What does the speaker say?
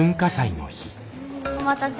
お待たせ。